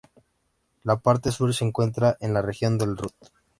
La parte sur se encuentra en la región del Ruhr.